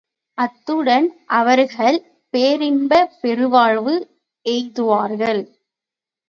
அத்துடன் அவர்கள் பேரின்பப் பெருவாழ்வு எய்துவார்கள்.